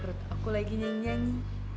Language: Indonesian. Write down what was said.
perut aku lagi nyanyi nyanyi